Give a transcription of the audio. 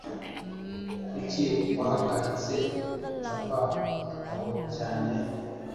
Kuki wahagaritse gucapa igitabo cyanjye?